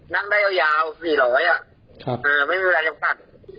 นั่งได้ยาวสี่ร้อยอ่ะไม่มีอะไรกับสัตว์